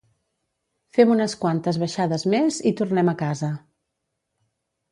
Fem unes quantes baixades més, i tornem a casa